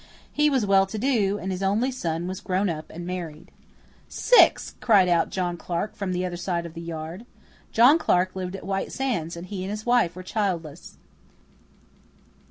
He was well to do, and his only son was grown up and married. "Six," cried out John Clarke from the other side of the yard. John Clarke lived at White Sands and he and his wife were childless.